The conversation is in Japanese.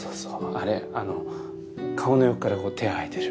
あれあの顔の横から手生えてる。